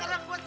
aduh mon aduh